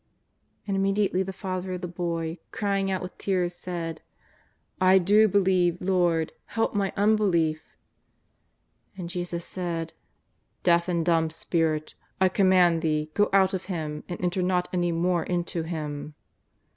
And immediately the father of the boy, crying out with tears, said :" I do believe, Lord, help my unbelief." And Jesus said :'^ Deaf and dumb spirit, T com mand thee, go out of him and enter not any more into him."